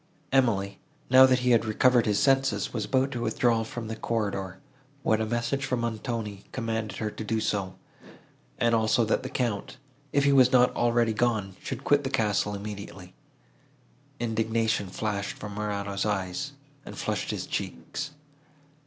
Emily, now that he had recovered his senses, was about to withdraw from the corridor, when a message from Montoni commanded her to do so, and also that the Count, if he was not already gone, should quit the castle immediately. Indignation flashed from Morano's eyes, and flushed his cheeks.